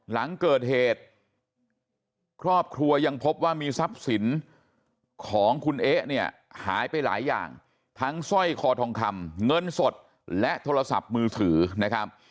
หลังเกิดเหตุครอบครัวยังพบว่ามีทรัพย์สินของคุณเอ๊ะเนี่ยหายไปหลายอย่างทั้งสร้อยคอทองคำเงินสดและโทรศัพท์มือถือนะครับ